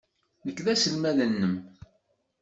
Nekk d aselmad-nnem.